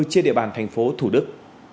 trên địa bàn thành phố thủ đức